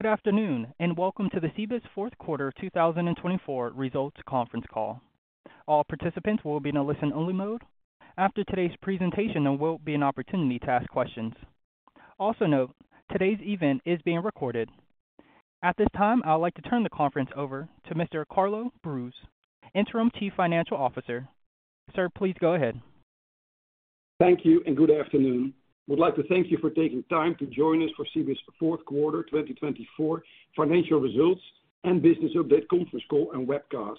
Good afternoon and welcome to the Cibus Fourth Quarter 2024 Results Conference Call. All participants will be in a listen-only mode. After today's presentation, there will be an opportunity to ask questions. Also note, today's event is being recorded. At this time, I'd like to turn the conference over to Mr. Carlo Broos, Interim Chief Financial Officer. Sir, please go ahead. Thank you and good afternoon. We'd like to thank you for taking time to join us for Cibus Fourth Quarter 2024 Financial Results and Business Update Conference Call and Webcast.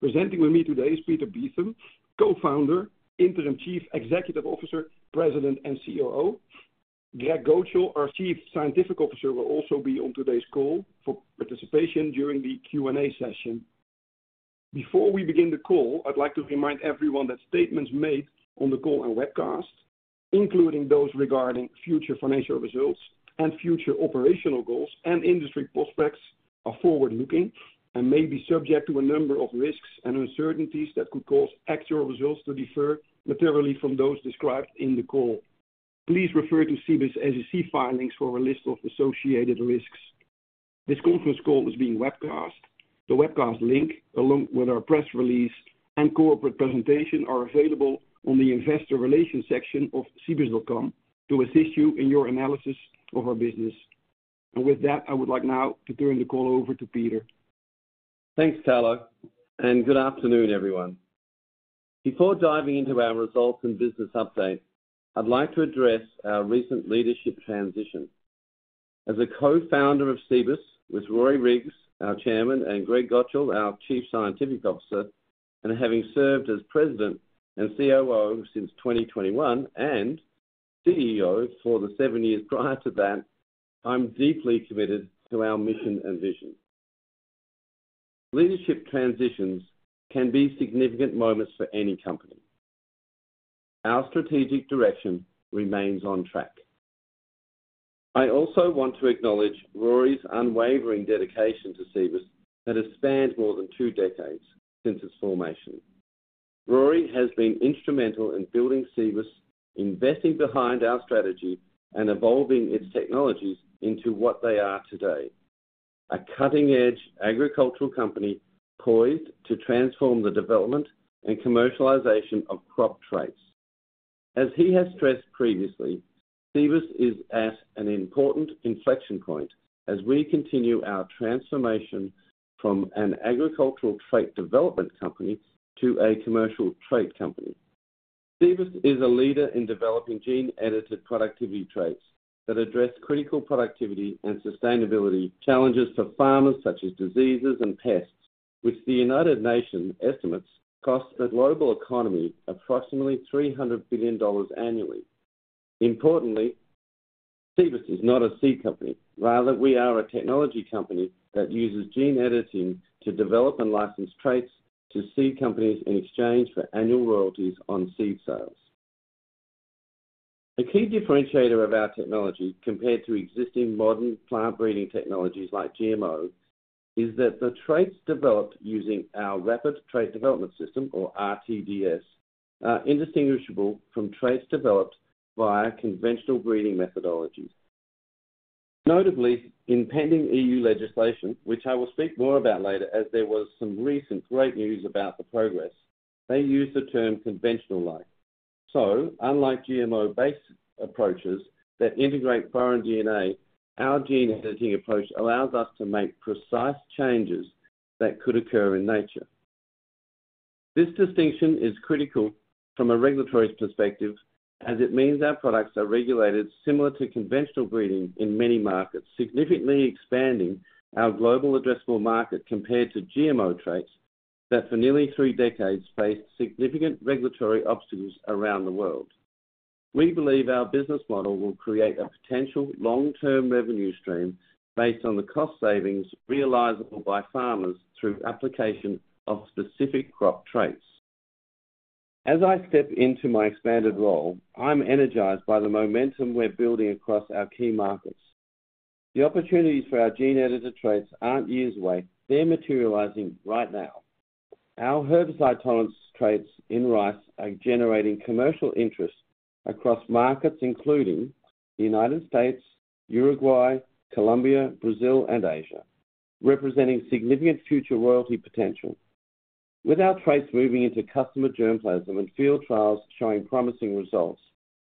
Presenting with me today is Peter Beetham, Co-founder, Interim Chief Executive Officer, President, and COO. Greg Gocal, our Chief Scientific Officer, will also be on today's call for participation during the Q&A session. Before we begin the call, I'd like to remind everyone that statements made on the call and webcast, including those regarding future financial results and future operational goals and industry prospects, are forward-looking and may be subject to a number of risks and uncertainties that could cause actual results to differ materially from those described in the call. Please refer to Cibus SEC filings for a list of associated risks. This conference call is being webcast. The webcast link, along with our press release and corporate presentation, are available on the Investor Relations section of cibus.com to assist you in your analysis of our business. With that, I would like now to turn the call over to Peter. Thanks, Carlo, and good afternoon, everyone. Before diving into our results and business update, I'd like to address our recent leadership transition. As a co-founder of Cibus with Rory Riggs, our Chairman, and Greg Gocal, our Chief Scientific Officer, and having served as President and COO since 2021 and CEO for the seven years prior to that, I'm deeply committed to our mission and vision. Leadership transitions can be significant moments for any company. Our strategic direction remains on track. I also want to acknowledge Rory's unwavering dedication to Cibus that has spanned more than two decades since its formation. Rory has been instrumental in building Cibus, investing behind our strategy, and evolving its technologies into what they are today: a cutting-edge agricultural company poised to transform the development and commercialization of crop traits. As he has stressed previously, Cibus is at an important inflection point as we continue our transformation from an agricultural trait development company to a commercial trait company. Cibus is a leader in developing gene-edited productivity traits that address critical productivity and sustainability challenges for farmers such as diseases and pests, which the United Nations estimates cost the global economy approximately $300 billion annually. Importantly, Cibus is not a seed company; rather, we are a technology company that uses gene editing to develop and license traits to seed companies in exchange for annual royalties on seed sales. A key differentiator of our technology compared to existing modern plant breeding technologies like GMO is that the traits developed using our Rapid Trait Development System, or RTDS, are indistinguishable from traits developed via conventional breeding methodologies. Notably, in pending EU legislation, which I will speak more about later as there was some recent great news about the progress, they use the term "conventional-like." Unlike GMO-based approaches that integrate foreign DNA, our gene editing approach allows us to make precise changes that could occur in nature. This distinction is critical from a regulatory perspective as it means our products are regulated similar to conventional breeding in many markets, significantly expanding our global addressable market compared to GMO traits that for nearly three decades faced significant regulatory obstacles around the world. We believe our business model will create a potential long-term revenue stream based on the cost savings realizable by farmers through application of specific crop traits. As I step into my expanded role, I'm energized by the momentum we're building across our key markets. The opportunities for our gene-edited traits aren't years away; they're materializing right now. Our herbicide tolerance traits in rice are generating commercial interest across markets including the United States, Uruguay, Colombia, Brazil, and Asia, representing significant future royalty potential. With our traits moving into customer germplasm and field trials showing promising results,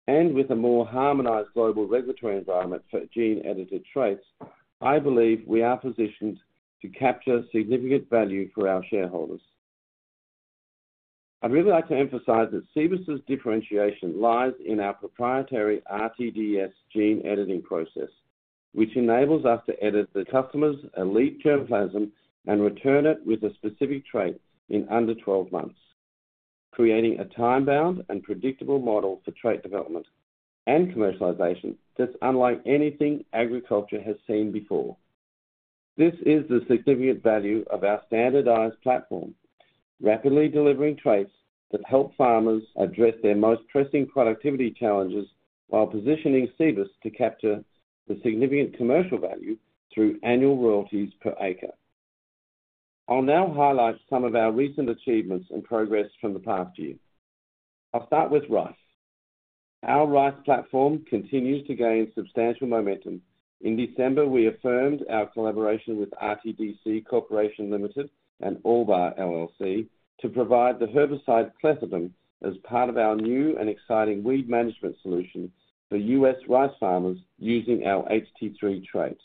and with a more harmonized global regulatory environment for gene-edited traits, I believe we are positioned to capture significant value for our shareholders. I'd really like to emphasize that Cibus's differentiation lies in our proprietary RTDS gene editing process, which enables us to edit the customer's elite germplasm and return it with a specific trait in under 12 months, creating a time-bound and predictable model for trait development and commercialization that's unlike anything agriculture has seen before. This is the significant value of our standardized platform, rapidly delivering traits that help farmers address their most pressing productivity challenges while positioning Cibus to capture the significant commercial value through annual royalties per acre. I'll now highlight some of our recent achievements and progress from the past year. I'll start with rice. Our rice platform continues to gain substantial momentum. In December, we affirmed our collaboration with RTEK Corporation Limited and Albar LLC to provide the herbicide clethodim as part of our new and exciting weed management solution for U.S. rice farmers using our HT3 trait.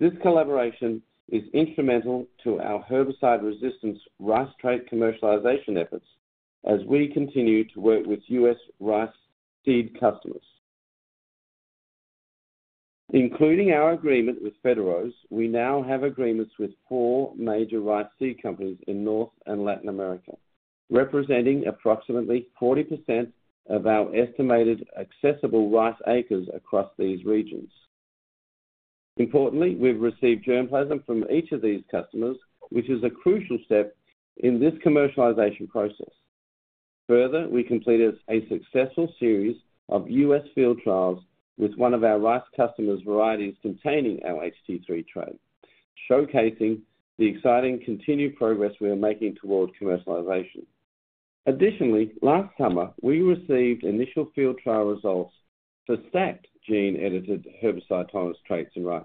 This collaboration is instrumental to our herbicide-resistant rice trait commercialization efforts as we continue to work with U.S. rice seed customers. Including our agreement with Fedearroz, we now have agreements with four major rice seed companies in North and Latin America, representing approximately 40% of our estimated accessible rice acres across these regions. Importantly, we've received germplasm from each of these customers, which is a crucial step in this commercialization process. Further, we completed a successful series of U.S. field trials with one of our rice customers' varieties containing our HT3 trait, showcasing the exciting continued progress we are making toward commercialization. Additionally, last summer, we received initial field trial results for stacked gene-edited herbicide tolerance traits in rice.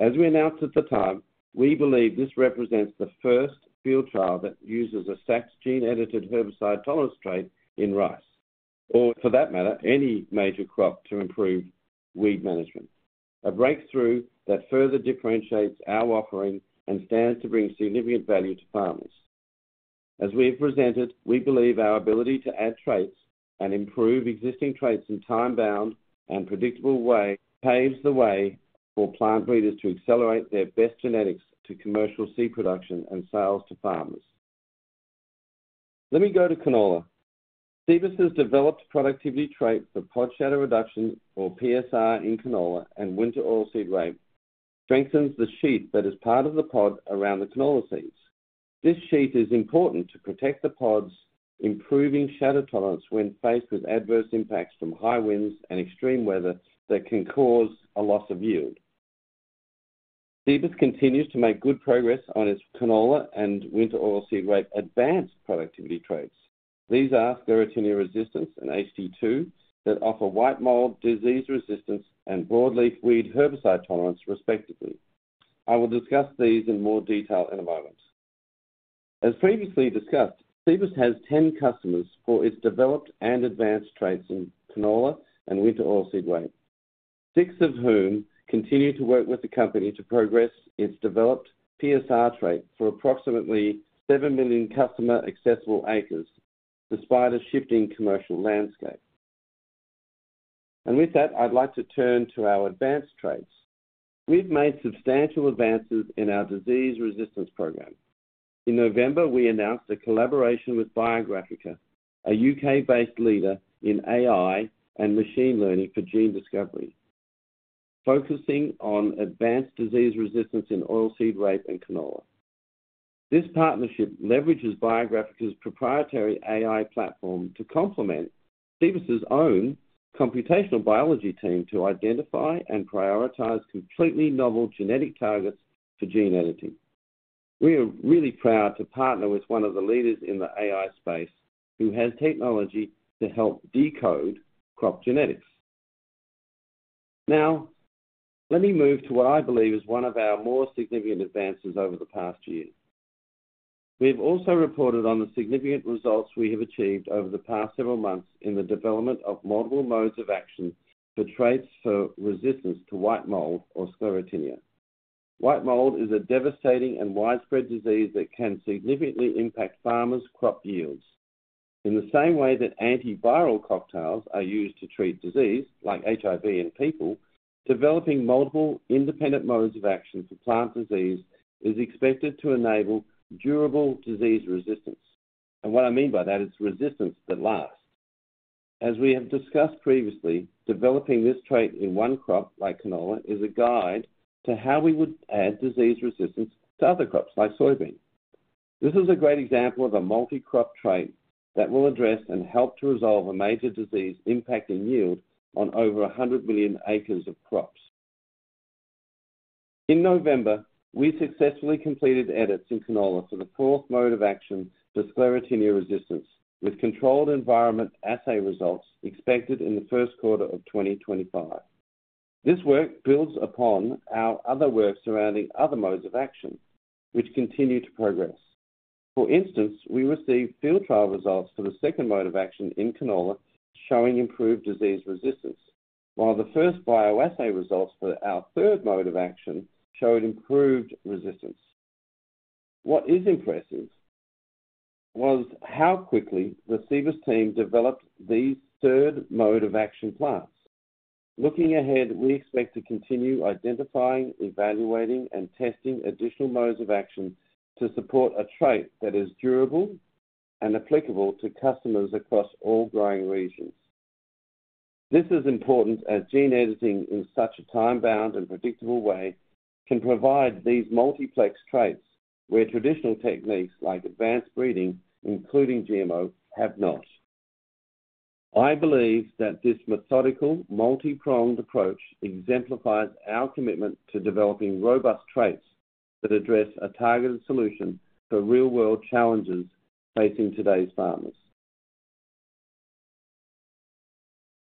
As we announced at the time, we believe this represents the first field trial that uses a stacked gene-edited herbicide tolerance trait in rice, or for that matter, any major crop to improve weed management, a breakthrough that further differentiates our offering and stands to bring significant value to farmers. As we have presented, we believe our ability to add traits and improve existing traits in a time-bound and predictable way paves the way for plant breeders to accelerate their best genetics to commercial seed production and sales to farmers. Let me go to canola. Cibus has developed productivity traits for pod shatter reduction, or PSR, in canola and winter oilseed rape, strengthens the sheath that is part of the pod around the canola seeds. This sheath is important to protect the pods, improving shatter tolerance when faced with adverse impacts from high winds and extreme weather that can cause a loss of yield. Cibus continues to make good progress on its canola and winter oilseed rape advanced productivity traits. These are sclerotinia resistance and HT2 that offer white mold disease resistance and broadleaf weed herbicide tolerance, respectively. I will discuss these in more detail in a moment. As previously discussed, Cibus has 10 customers for its developed and advanced traits in canola and winter oilseed rape, six of whom continue to work with the company to progress its developed PSR trait for approximately 7 million customer-accessible acres despite a shifting commercial landscape. I'd like to turn to our advanced traits. We've made substantial advances in our disease resistance program. In November, we announced a collaboration with Biographica, a U.K.-based leader in AI and machine learning for gene discovery, focusing on advanced disease resistance in oilseed rape and canola. This partnership leverages BioGraphica's proprietary AI platform to complement Cibus's own computational biology team to identify and prioritize completely novel genetic targets for gene editing. We are really proud to partner with one of the leaders in the AI space who has technology to help decode crop genetics. Now, let me move to what I believe is one of our more significant advances over the past year. We have also reported on the significant results we have achieved over the past several months in the development of multiple modes of action for traits for resistance to white mold or sclerotinia. White mold is a devastating and widespread disease that can significantly impact farmers' crop yields. In the same way that antiviral cocktails are used to treat disease like HIV in people, developing multiple independent modes of action for plant disease is expected to enable durable disease resistance. What I mean by that is resistance that lasts. As we have discussed previously, developing this trait in one crop like canola is a guide to how we would add disease resistance to other crops like soybean. This is a great example of a multi-crop trait that will address and help to resolve a major disease impacting yield on over 100 million acres of crops. In November, we successfully completed edits in canola for the fourth mode of action for sclerotinia resistance, with controlled environment assay results expected in the first quarter of 2025. This work builds upon our other work surrounding other modes of action, which continue to progress. For instance, we received field trial results for the second mode of action in canola showing improved disease resistance, while the first bioassay results for our third mode of action showed improved resistance. What is impressive was how quickly the Cibus team developed these third mode of action plans. Looking ahead, we expect to continue identifying, evaluating, and testing additional modes of action to support a trait that is durable and applicable to customers across all growing regions. This is important as gene editing in such a time-bound and predictable way can provide these multiplex traits where traditional techniques like advanced breeding, including GMO, have not. I believe that this methodical, multi-pronged approach exemplifies our commitment to developing robust traits that address a targeted solution for real-world challenges facing today's farmers.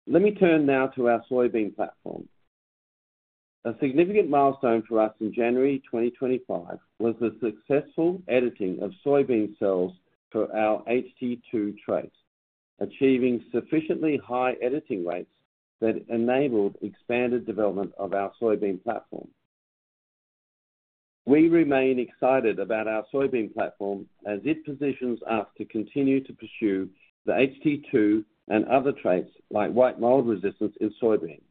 Let me turn now to our soybean platform. A significant milestone for us in January 2025 was the successful editing of soybean cells for our HT2 traits, achieving sufficiently high editing rates that enabled expanded development of our soybean platform. We remain excited about our soybean platform as it positions us to continue to pursue the HT2 and other traits like white mold resistance in soybean.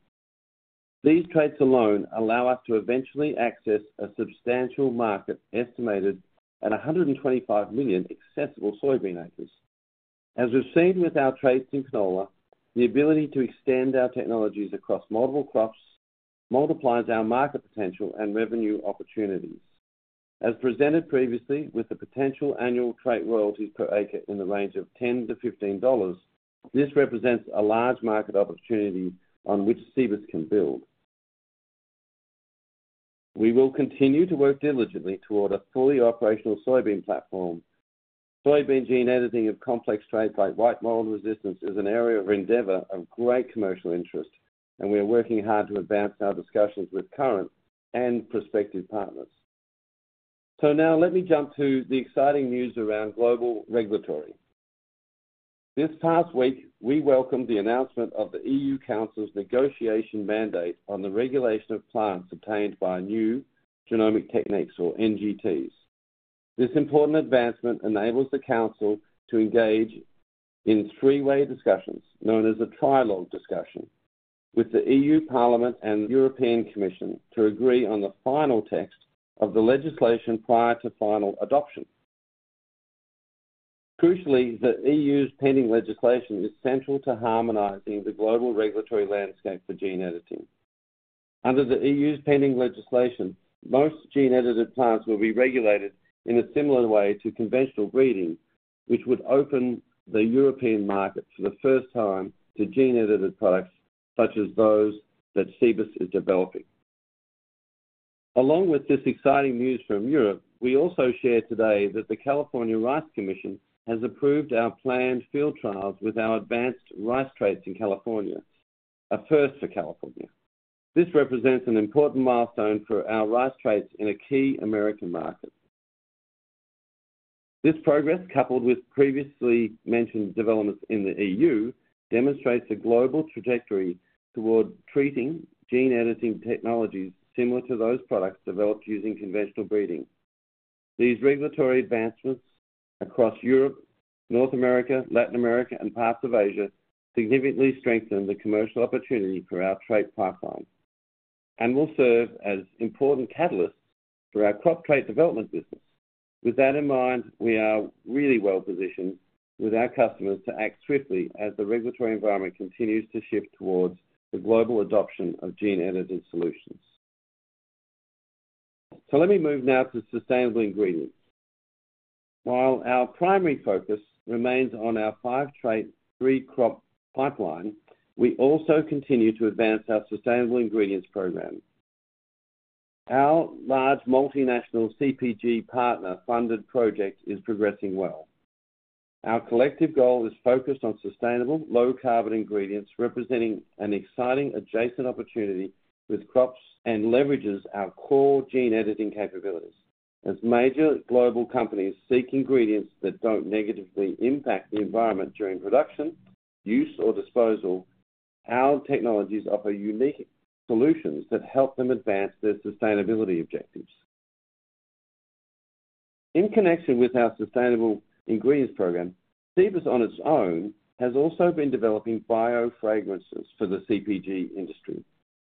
These traits alone allow us to eventually access a substantial market estimated at 125 million accessible soybean acres. As we've seen with our traits in canola, the ability to extend our technologies across multiple crops multiplies our market potential and revenue opportunities. As presented previously, with the potential annual trait royalties per acre in the range of $10-$15, this represents a large market opportunity on which Cibus can build. We will continue to work diligently toward a fully operational soybean platform. Soybean gene editing of complex traits like white mold resistance is an area of endeavor of great commercial interest, and we are working hard to advance our discussions with current and prospective partners. Now, let me jump to the exciting news around global regulatory. This past week, we welcomed the announcement of the EU Council's negotiation mandate on the regulation of plants obtained by new genomic techniques, or NGTs. This important advancement enables the Council to engage in three-way discussions, known as a trilogue discussion, with the EU Parliament and the European Commission to agree on the final text of the legislation prior to final adoption. Crucially, the EU's pending legislation is central to harmonizing the global regulatory landscape for gene editing. Under the EU's pending legislation, most gene-edited plants will be regulated in a similar way to conventional breeding, which would open the European market for the first time to gene-edited products such as those that Cibus is developing. Along with this exciting news from Europe, we also share today that the California Rice Commission has approved our planned field trials with our advanced rice traits in California, a first for California. This represents an important milestone for our rice traits in a key American market. This progress, coupled with previously mentioned developments in the EU, demonstrates a global trajectory toward treating gene-editing technologies similar to those products developed using conventional breeding. These regulatory advancements across Europe, North America, Latin America, and parts of Asia significantly strengthen the commercial opportunity for our trait pipeline and will serve as important catalysts for our crop trait development business. With that in mind, we are really well positioned with our customers to act swiftly as the regulatory environment continues to shift towards the global adoption of gene-edited solutions. Let me move now to sustainable ingredients. While our primary focus remains on our five trait, three crop pipeline, we also continue to advance our sustainable ingredients program. Our large multinational CPG partner-funded project is progressing well. Our collective goal is focused on sustainable, low-carbon ingredients representing an exciting adjacent opportunity with crops and leverages our core gene editing capabilities. As major global companies seek ingredients that do not negatively impact the environment during production, use, or disposal, our technologies offer unique solutions that help them advance their sustainability objectives. In connection with our sustainable ingredients program, Cibus on its own has also been developing biofragrances for the CPG industry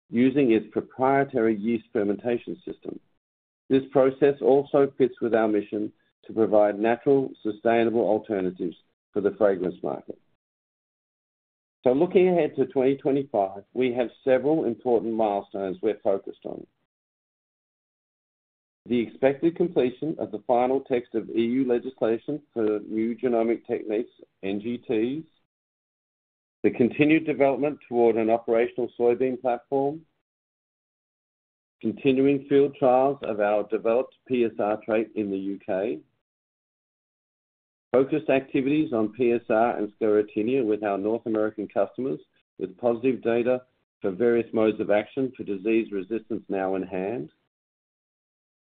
using its proprietary yeast fermentation system. This process also fits with our mission to provide natural, sustainable alternatives for the fragrance market. Looking ahead to 2025, we have several important milestones we're focused on: the expected completion of the final text of EU legislation for new genomic techniques, NGTs; the continued development toward an operational soybean platform; continuing field trials of our developed PSR trait in the U.K.; focused activities on PSR and sclerotinia with our North American customers, with positive data for various modes of action for disease resistance now in hand.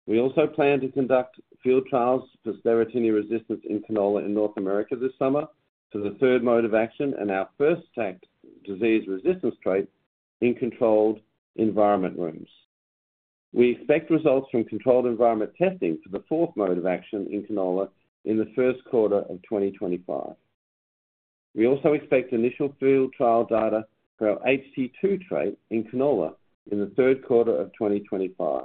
We also plan to conduct field trials for sclerotinia resistance in canola in North America this summer for the third mode of action and our first stacked disease resistance trait in controlled environment rooms. We expect results from controlled environment testing for the fourth mode of action in canola in the first quarter of 2025. We also expect initial field trial data for our HT2 trait in canola in the third quarter of 2025.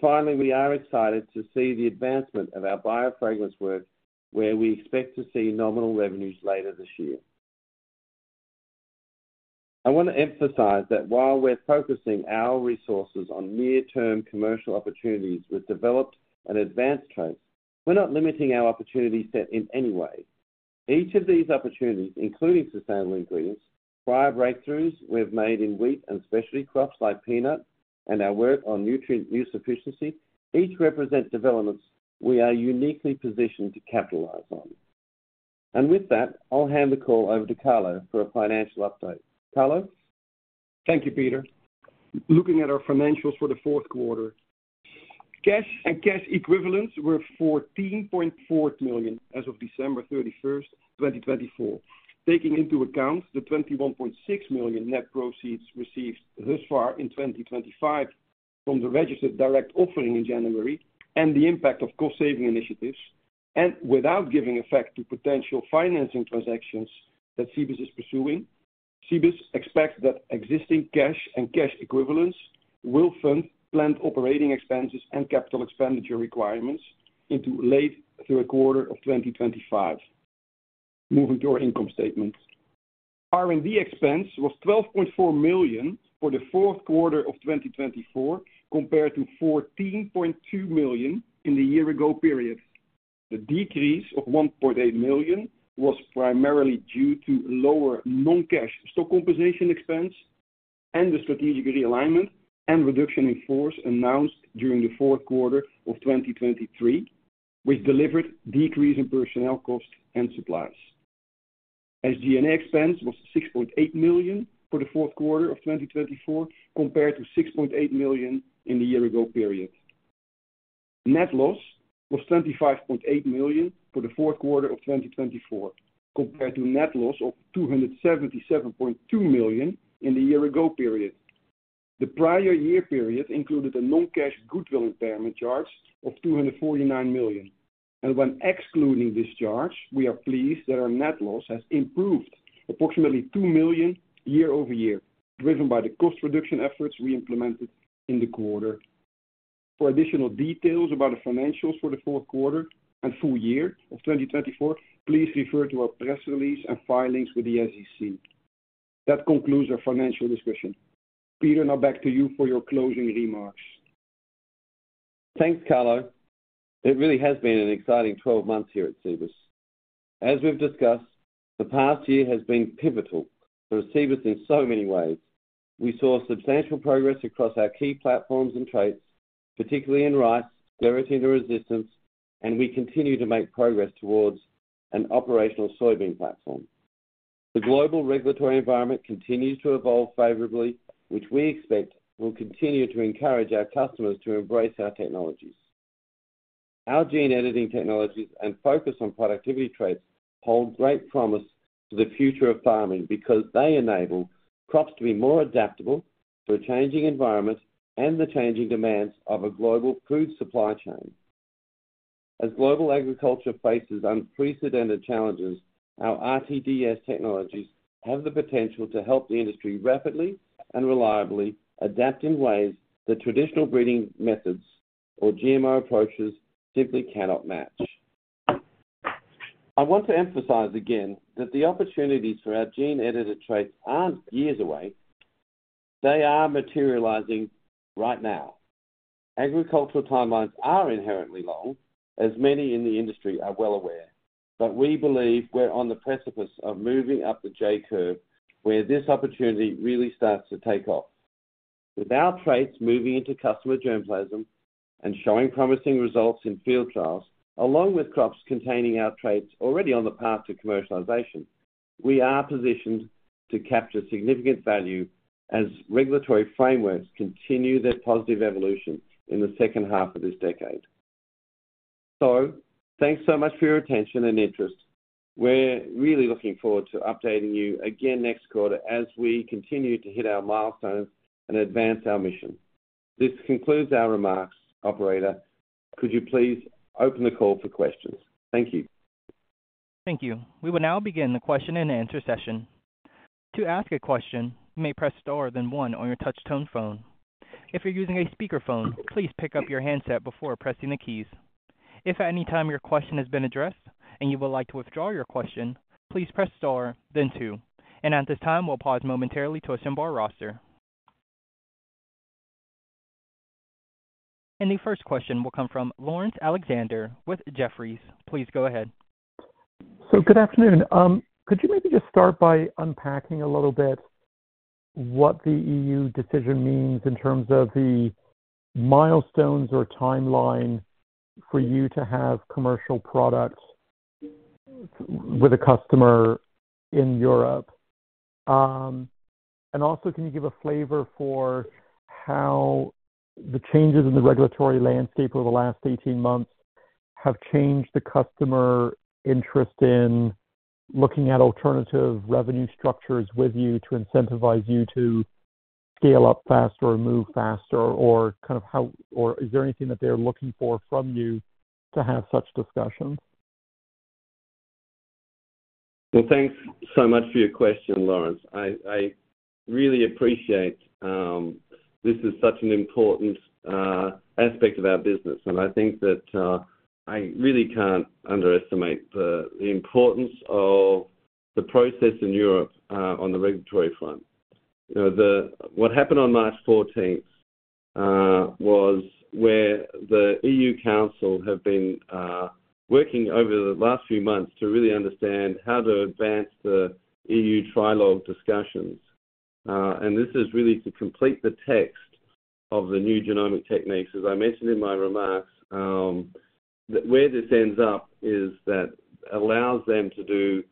Finally, we are excited to see the advancement of our biofragrance work, where we expect to see nominal revenues later this year. I want to emphasize that while we're focusing our resources on near-term commercial opportunities with developed and advanced traits, we're not limiting our opportunity set in any way. Each of these opportunities, including sustainable ingredients, prior breakthroughs we've made in wheat and specialty crops like peanut and our work on nutrient use efficiency each represent developments we are uniquely positioned to capitalize on. With that, I'll hand the call over to Carlo for a financial update. Carlo. Thank you, Peter. Looking at our financials for the fourth quarter, cash and cash equivalents were $14.4 million as of December 31, 2024, taking into account the $21.6 million net proceeds received thus far in 2025 from the registered direct offering in January and the impact of cost-saving initiatives. Without giving effect to potential financing transactions that Cibus is pursuing, Cibus expects that existing cash and cash equivalents will fund planned operating expenses and capital expenditure requirements into late third quarter of 2025. Moving to our income statements. R&D expense was $12.4 million for the fourth quarter of 2024, compared to $14.2 million in the year-ago period. The decrease of $1.8 million was primarily due to lower non-cash stock compensation expense and the strategic realignment and reduction in force announced during the fourth quarter of 2023, which delivered a decrease in personnel costs and supplies. SG&A expense was $6.8 million for the fourth quarter of 2024, compared to $6.8 million in the year-ago period. Net loss was $25.8 million for the fourth quarter of 2024, compared to net loss of $277.2 million in the year-ago period. The prior year period included a non-cash goodwill impairment charge of $249 million. When excluding this charge, we are pleased that our net loss has improved approximately $2 million year-over-year, driven by the cost reduction efforts we implemented in the quarter. For additional details about the financials for the fourth quarter and full year of 2024, please refer to our press release and filings with the SEC. That concludes our financial discussion. Peter, now back to you for your closing remarks. Thanks, Carlo. It really has been an exciting 12 months here at Cibus. As we've discussed, the past year has been pivotal for Cibus in so many ways. We saw substantial progress across our key platforms and traits, particularly in rice, sclerotinia resistance, and we continue to make progress towards an operational soybean platform. The global regulatory environment continues to evolve favorably, which we expect will continue to encourage our customers to embrace our technologies. Our gene editing technologies and focus on productivity traits hold great promise for the future of farming because they enable crops to be more adaptable to a changing environment and the changing demands of a global food supply chain. As global agriculture faces unprecedented challenges, our RTDS technologies have the potential to help the industry rapidly and reliably adapt in ways that traditional breeding methods, or GMO approaches, simply cannot match. I want to emphasize again that the opportunities for our gene-edited traits aren't years away. They are materializing right now. Agricultural timelines are inherently long, as many in the industry are well aware, but we believe we're on the precipice of moving up the J-curve, where this opportunity really starts to take off. With our traits moving into customer germplasm and showing promising results in field trials, along with crops containing our traits already on the path to commercialization, we are positioned to capture significant value as regulatory frameworks continue their positive evolution in the second half of this decade. Thank you so much for your attention and interest. We are really looking forward to updating you again next quarter as we continue to hit our milestones and advance our mission. This concludes our remarks. Operator, could you please open the call for questions? Thank you. We will now begin the question-and-answer session. To ask a question, you may press star then one on your touch-tone phone. If you are using a speakerphone, please pick up your handset before pressing the keys. If at any time your question has been addressed and you would like to withdraw your question, please press star then two. At this time, we'll pause momentarily to assemble our roster. The first question will come from Laurence Alexander with Jefferies. Please go ahead. Good afternoon. Could you maybe just start by unpacking a little bit what the EU decision means in terms of the milestones or timeline for you to have commercial products with a customer in Europe? Also, can you give a flavor for how the changes in the regulatory landscape over the last 18 months have changed the customer interest in looking at alternative revenue structures with you to incentivize you to scale up faster or move faster? Is there anything that they're looking for from you to have such discussions? Thanks so much for your question, Laurence. I really appreciate this is such an important aspect of our business, and I think that I really can't underestimate the importance of the process in Europe on the regulatory front. What happened on March 14 was where the EU Council have been working over the last few months to really understand how to advance the EU trilog discussions. This is really to complete the text of the new genomic techniques. As I mentioned in my remarks, where this ends up is that it allows them to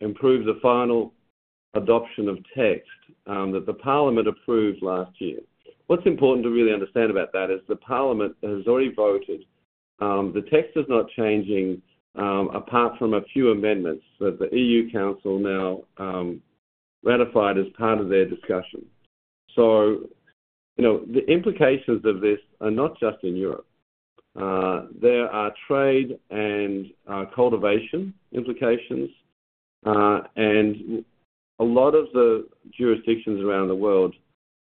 improve the final adoption of text that the Parliament approved last year. What's important to really understand about that is the Parliament has already voted. The text is not changing apart from a few amendments that the EU Council now ratified as part of their discussion. The implications of this are not just in Europe. There are trade and cultivation implications, and a lot of the jurisdictions around the world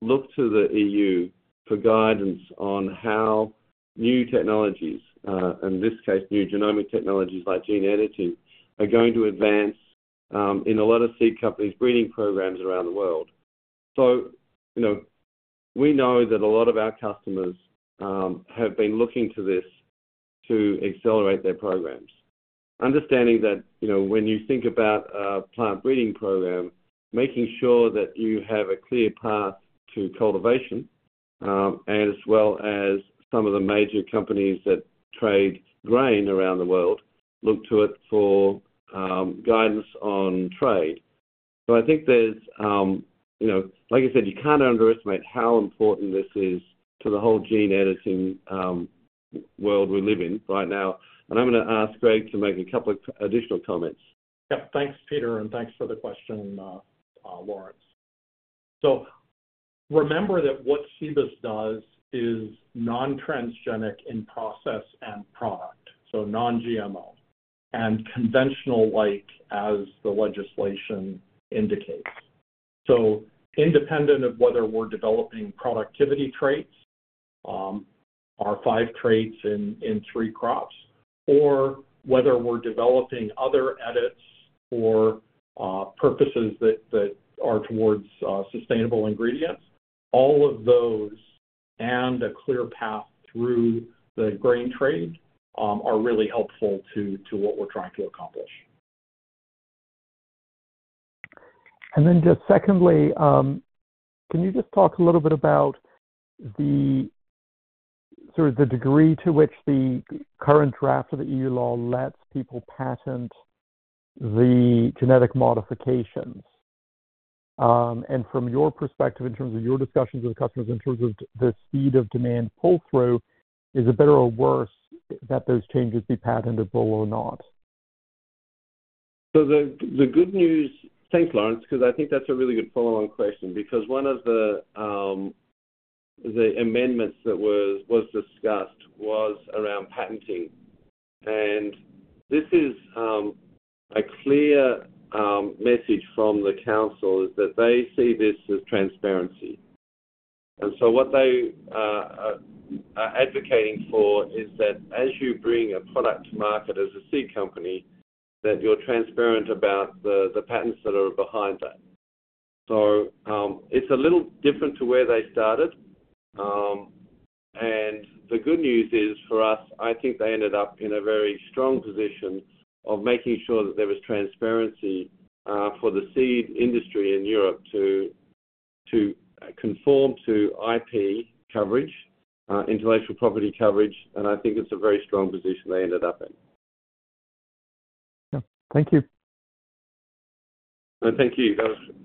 look to the EU for guidance on how new technologies, in this case, new genomic technologies like gene editing, are going to advance in a lot of seed companies' breeding programs around the world. We know that a lot of our customers have been looking to this to accelerate their programs. Understanding that when you think about a plant breeding program, making sure that you have a clear path to cultivation, and as well as some of the major companies that trade grain around the world look to it for guidance on trade. I think you can't underestimate how important this is to the whole gene editing world we live in right now. I'm going to ask Greg to make a couple of additional comments. Yep. Thanks, Peter. Thanks for the question, Lawrence. Remember that what Cibus does is non-transgenic in process and product, so non-GMO and conventional-like as the legislation indicates. Independent of whether we're developing productivity traits, our five traits in three crops, or whether we're developing other edits for purposes that are towards sustainable ingredients, all of those and a clear path through the grain trade are really helpful to what we're trying to accomplish. Just secondly, can you talk a little bit about the degree to which the current draft of the EU law lets people patent the genetic modifications? From your perspective, in terms of your discussions with customers, in terms of the speed of demand pull-through, is it better or worse that those changes be patentable or not? The good news—thanks, Laurence, because I think that's a really good follow-on question—because one of the amendments that was discussed was around patenting. This is a clear message from the Council that they see this as transparency. What they are advocating for is that as you bring a product to market as a seed company, you are transparent about the patents that are behind that. It is a little different to where they started. The good news is for us, I think they ended up in a very strong position of making sure that there was transparency for the seed industry in Europe to conform to IP coverage, intellectual property coverage. I think it's a very strong position they ended up in. Yeah. Thank you. Thank you. That was great.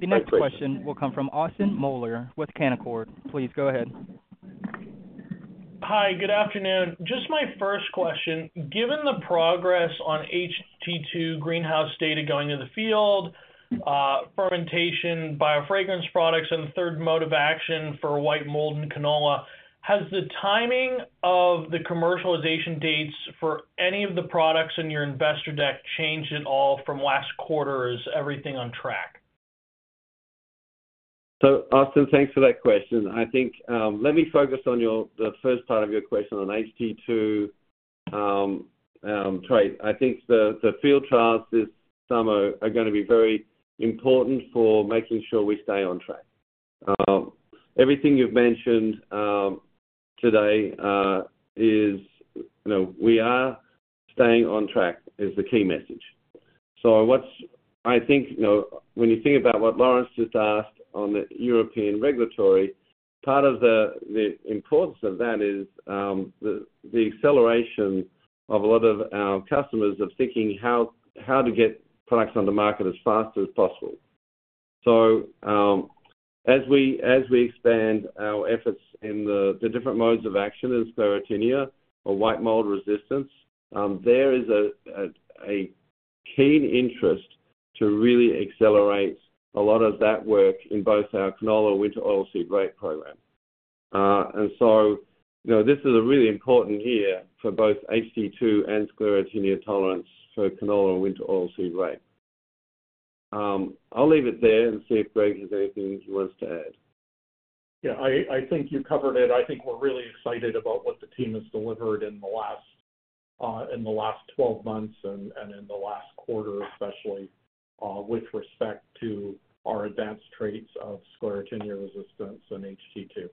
The next question will come from Austin Moeller with Canaccord. Please go ahead . Hi. Good afternoon. Just my first question. Given the progress on HT2 greenhouse data going into the field, fermentation, biofragrance products, and the third mode of action for white mold and canola, has the timing of the commercialization dates for any of the products in your investor deck changed at all from last quarter? Is everything on track? Austin, thanks for that question. I think let me focus on the first part of your question on HT2 trait. I think the field trials this summer are going to be very important for making sure we stay on track. Everything you've mentioned today is we are staying on track is the key message. I think when you think about what Laurence just asked on the European regulatory, part of the importance of that is the acceleration of a lot of our customers of thinking how to get products on the market as fast as possible. As we expand our efforts in the different modes of action in sclerotinia or white mold resistance, there is a keen interest to really accelerate a lot of that work in both our canola and winter oilseed rape program. This is really important here for both HT2 and sclerotinia tolerance for canola and winter oilseed rape. I'll leave it there and see if Greg has anything he wants to add. Yeah. I think you covered it. I think we're really excited about what the team has delivered in the last 12 months and in the last quarter, especially with respect to our advanced traits of sclerotinia resistance and HT2.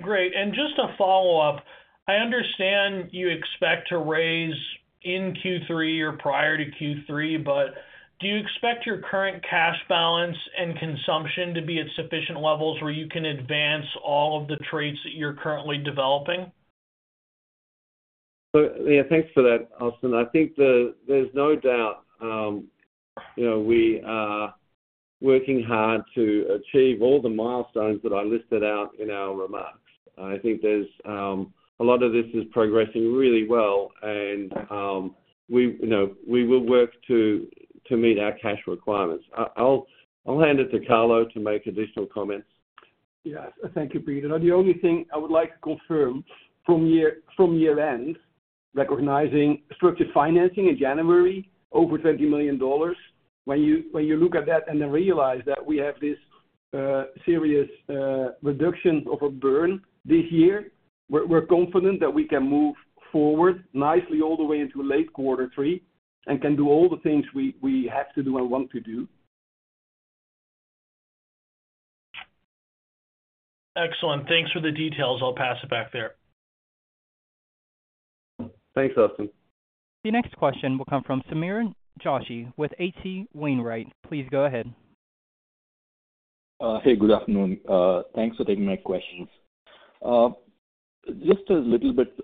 Great. Just a follow-up. I understand you expect to raise in Q3 or prior to Q3, but do you expect your current cash balance and consumption to be at sufficient levels where you can advance all of the traits that you're currently developing? Yeah, thanks for that, Austin. I think there's no doubt we are working hard to achieve all the milestones that I listed out in our remarks. I think a lot of this is progressing really well, and we will work to meet our cash requirements. I'll hand it to Carlo to make additional comments. Yeah. Thank you, Peter. The only thing I would like to confirm from year-end, recognizing structured financing in January, over $20 million. When you look at that and then realize that we have this serious reduction of a burn this year, we're confident that we can move forward nicely all the way into late quarter three and can do all the things we have to do and want to do. Excellent. Thanks for the details. I'll pass it back there. Thanks, Austin. The next question will come from Sameer Joshi with H.C. Wainwright. Please go ahead. Hey, good afternoon. Thanks for taking my questions. Just a little bit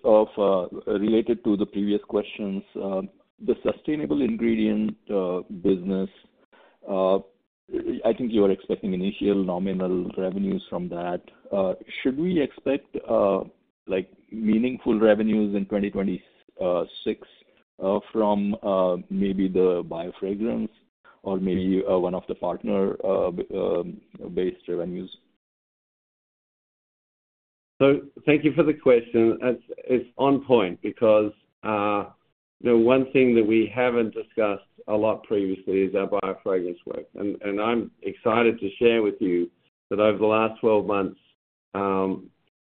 related to the previous questions. The sustainable ingredient business, I think you are expecting initial nominal revenues from that. Should we expect meaningful revenues in 2026 from maybe the biofragrance or maybe one of the partner-based revenues? Thank you for the question. It's on point because one thing that we haven't discussed a lot previously is our biofragrance work. I'm excited to share with you that over the last 12 months,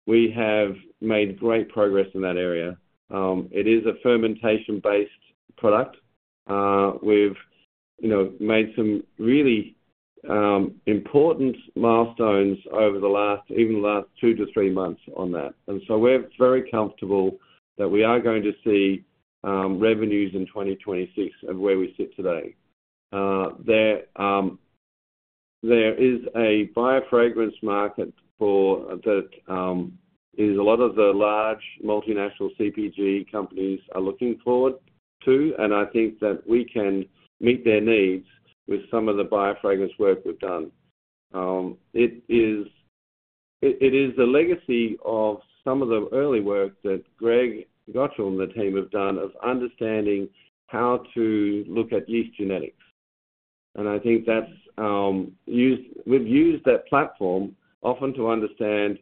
we have made great progress in that area. It is a fermentation-based product. We've made some really important milestones over the last, even the last two to three months on that. We are very comfortable that we are going to see revenues in 2026 of where we sit today. There is a biofragrance market that a lot of the large multinational CPG companies are looking forward to, and I think that we can meet their needs with some of the biofragrance work we've done. It is the legacy of some of the early work that Greg Gocal and the team have done of understanding how to look at yeast genetics. I think we've used that platform often to understand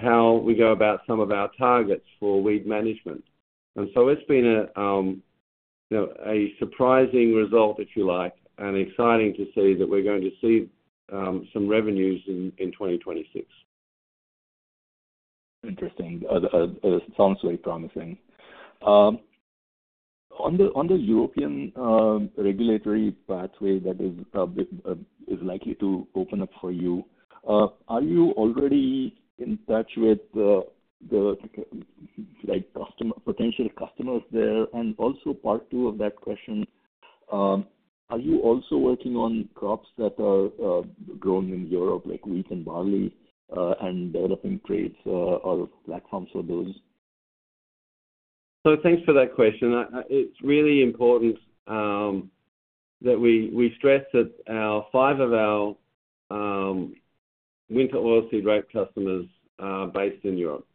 how we go about some of our targets for weed management. It's been a surprising result, if you like, and exciting to see that we're going to see some revenues in 2026. Interesting. Sounds very promising. On the European regulatory pathway that is likely to open up for you, are you already in touch with potential customers there? Also, part two of that question, are you also working on crops that are grown in Europe, like wheat and barley, and developing traits or platforms for those? Thanks for that question. It's really important that we stress that five of our winter oilseed rape customers are based in Europe.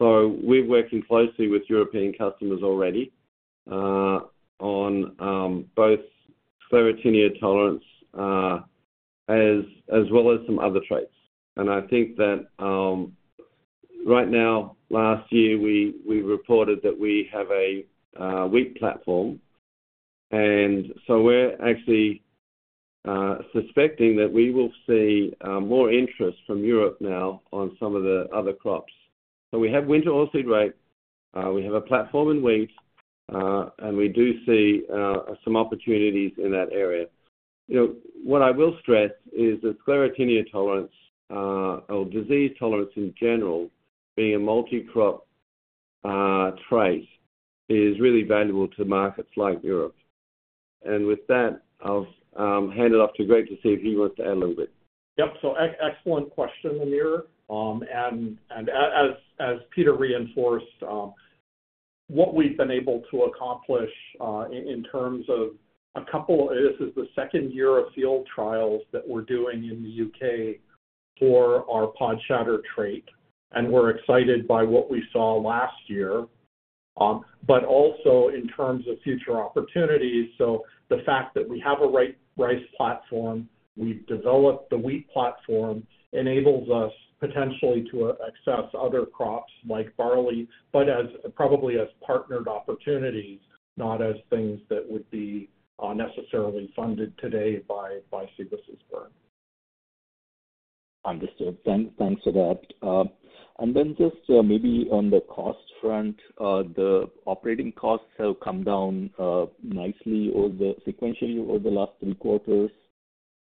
We're working closely with European customers already on both sclerotinia tolerance as well as some other traits. I think that right now, last year, we reported that we have a wheat platform. We are actually suspecting that we will see more interest from Europe now on some of the other crops. We have winter oilseed rape. We have a platform in wheat, and we do see some opportunities in that area. What I will stress is that sclerotinia tolerance or disease tolerance in general, being a multi-crop trait, is really valuable to markets like Europe. With that, I'll hand it off to Greg to see if he wants to add a little bit. Yep. Excellent question, Amir. As Peter reinforced, what we've been able to accomplish in terms of a couple—this is the second year of field trials that we're doing in the U.K. for our pod shatter trait. We're excited by what we saw last year, but also in terms of future opportunities. The fact that we have a rice platform, we've developed the wheat platform, enables us potentially to access other crops like barley, but probably as partnered opportunities, not as things that would be necessarily funded today by Cibus's burn. Understood. Thanks for that. Just maybe on the cost front, the operating costs have come down nicely sequentially over the last three quarters.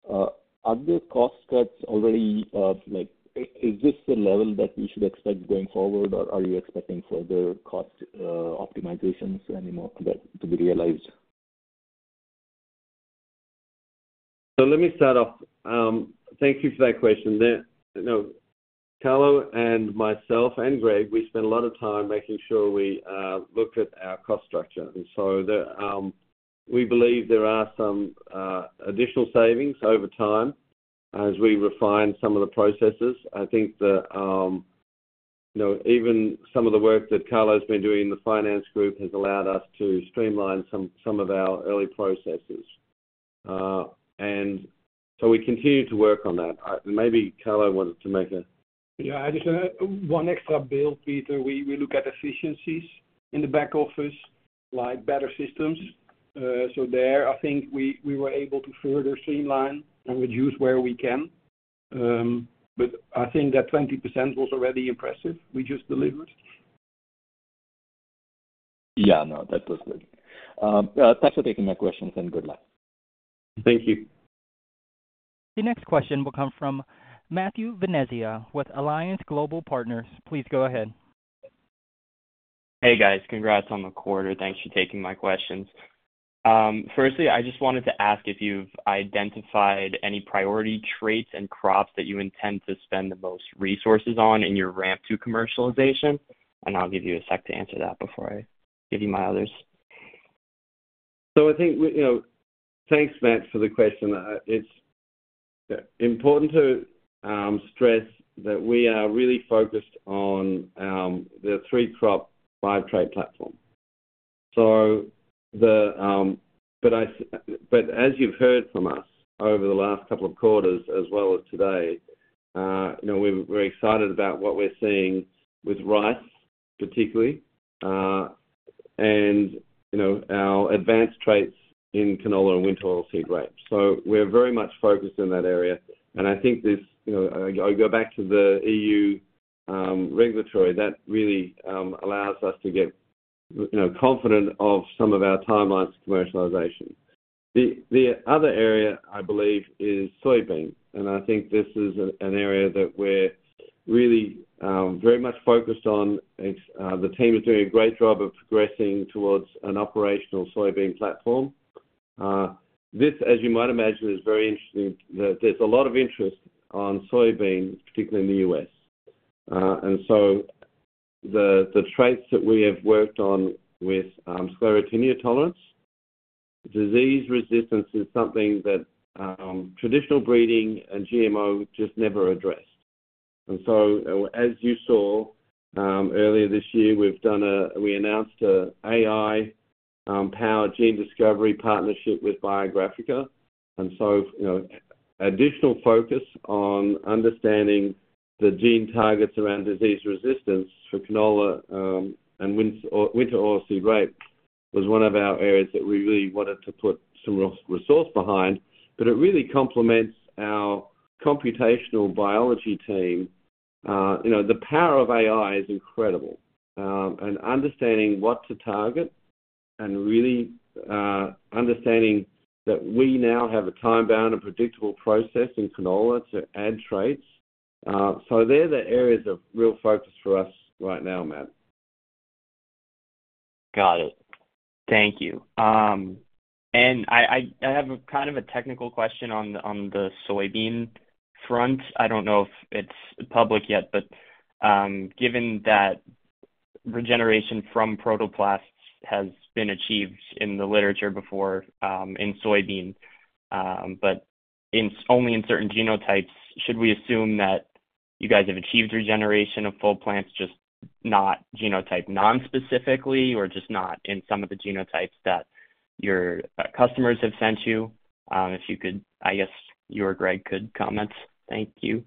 Are the cost cuts already—is this the level that we should expect going forward, or are you expecting further cost optimizations to be realized? Let me start off. Thank you for that question. Carlo and myself and Greg, we spend a lot of time making sure we look at our cost structure. We believe there are some additional savings over time as we refine some of the processes. I think even some of the work that Carlo's been doing in the finance group has allowed us to streamline some of our early processes. We continue to work on that. Maybe Carlo wanted to make a— Yeah. One extra build, Peter. We look at efficiencies in the back office, like better systems. There, I think we were able to further streamline and reduce where we can. I think that 20% was already impressive we just delivered. Yeah. No, that was good. Thanks for taking my questions, and good luck. Thank you. The next question will come from Matthew Venezia with Alliance Global Partners. Please go ahead. Hey, guys. Congrats on the quarter. Thanks for taking my questions. Firstly, I just wanted to ask if you've identified any priority traits and crops that you intend to spend the most resources on in your ramp to commercialization. I'll give you a sec to answer that before I give you my others. I think thanks, Matt, for the question. It's important to stress that we are really focused on the three-crop, five-trait platform. As you've heard from us over the last couple of quarters, as well as today, we're very excited about what we're seeing with rice, particularly, and our advanced traits in canola and winter oilseed rape. We're very much focused in that area. I think this, I go back to the EU regulatory. That really allows us to get confident of some of our timelines for commercialization. The other area, I believe, is soybean. I think this is an area that we're really very much focused on. The team is doing a great job of progressing towards an operational soybean platform. This, as you might imagine, is very interesting that there's a lot of interest on soybean, particularly in the U.S. The traits that we have worked on with sclerotinia tolerance, disease resistance is something that traditional breeding and GMO just never addressed. As you saw earlier this year, we announced an AI-powered gene discovery partnership with BioGraphica. Additional focus on understanding the gene targets around disease resistance for canola and winter oilseed rape was one of our areas that we really wanted to put some resource behind. It really complements our computational biology team. The power of AI is incredible. Understanding what to target and really understanding that we now have a time-bound and predictable process in canola to add traits. They are the areas of real focus for us right now, Matt. Got it. Thank you. I have kind of a technical question on the soybean front. I do not know if it is public yet, but given that regeneration from protoplasts has been achieved in the literature before in soybean, but only in certain genotypes, should we assume that you guys have achieved regeneration of full plants, just not genotype nonspecifically or just not in some of the genotypes that your customers have sent you? If you could, I guess you or Greg could comment. Thank you.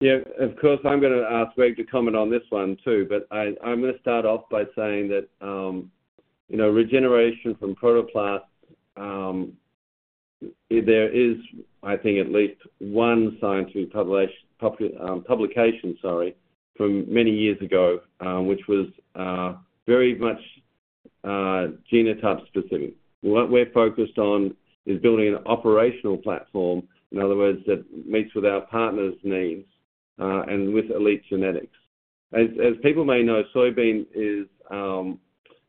Yeah. Of course, I am going to ask Greg to comment on this one too. I'm going to start off by saying that regeneration from protoplasts, there is, I think, at least one scientific publication, sorry, from many years ago, which was very much genotype specific. What we're focused on is building an operational platform, in other words, that meets with our partners' needs and with elite genetics. As people may know, soybean is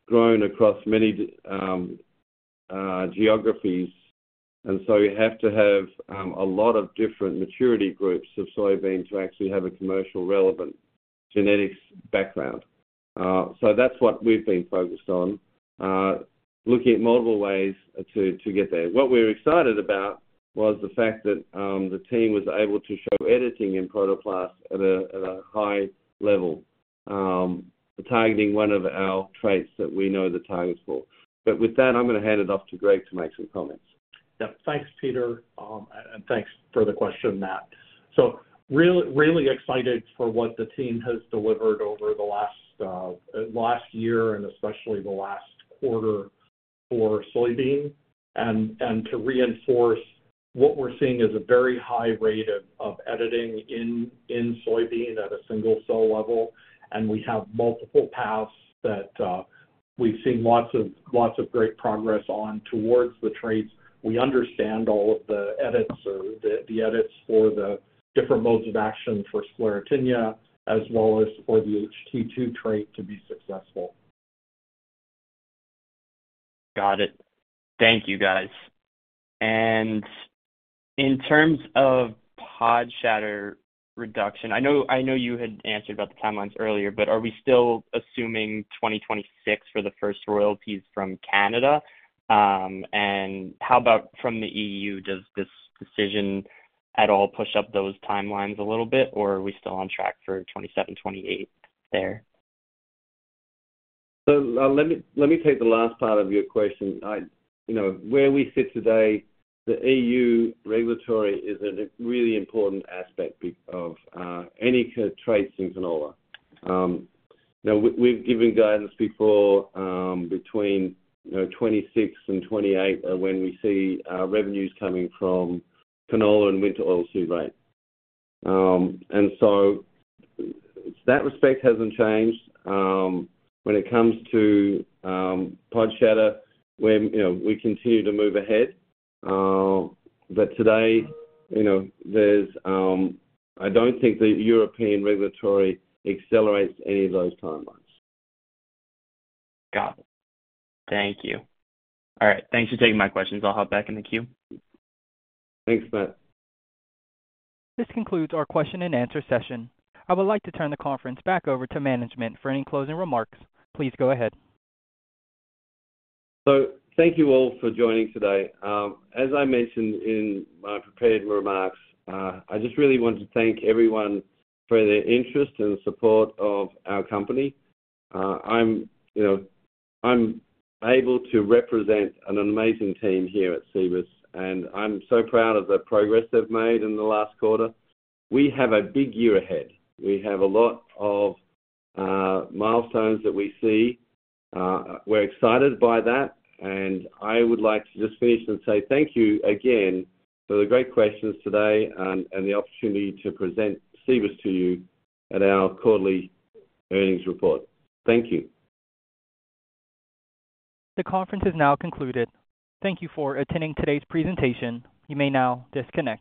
grown across many geographies. You have to have a lot of different maturity groups of soybean to actually have a commercially relevant genetics background. That's what we've been focused on, looking at multiple ways to get there. What we're excited about was the fact that the team was able to show editing in protoplasts at a high level, targeting one of our traits that we know the targets for. With that, I'm going to hand it off to Greg to make some comments. Yeah. Thanks, Peter. Thanks for the question, Matt. Really excited for what the team has delivered over the last year and especially the last quarter for soybean, and to reinforce what we're seeing as a very high rate of editing in soybean at a single-cell level. We have multiple paths that we've seen lots of great progress on towards the traits. We understand all of the edits or the edits for the different modes of action for sclerotinia as well as for the HT2 trait to be successful. Got it. Thank you, guys. In terms of pod shatter reduction, I know you had answered about the timelines earlier, but are we still assuming 2026 for the first royalties from Canada? How about from the EU? Does this decision at all push up those timelines a little bit, or are we still on track for 2027, 2028 there? Let me take the last part of your question. Where we sit today, the EU regulatory is a really important aspect of any traits in canola. We've given guidance before between 2026 and 2028 when we see revenues coming from canola and winter oilseed rape. In that respect, it hasn't changed. When it comes to pod shatter, we continue to move ahead. Today, I don't think the European regulatory accelerates any of those timelines. Got it. Thank you. All right. Thanks for taking my questions. I'll hop back in the queue. Thanks, Matt. This concludes our question-and-answer session. I would like to turn the conference back over to management for any closing remarks. Please go ahead. Thank you all for joining today. As I mentioned in my prepared remarks, I just really want to thank everyone for their interest and support of our company. I'm able to represent an amazing team here at Cibus, and I'm so proud of the progress they've made in the last quarter. We have a big year ahead. We have a lot of milestones that we see. We're excited by that. I would like to just finish and say thank you again for the great questions today and the opportunity to present Cibus to you at our quarterly earnings report. Thank you. The conference is now concluded. Thank you for attending today's presentation. You may now disconnect.